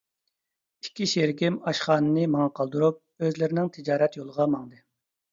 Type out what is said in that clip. ئىككى شېرىكىم ئاشخانىنى ماڭا قالدۇرۇپ، ئۆزلىرىنىڭ تىجارەت يولىغا ماڭدى.